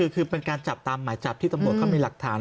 คือเป็นการจับตามหมายจับที่ตำรวจเขามีหลักฐาน